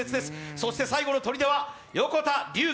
そして最後のとりでは横田龍儀。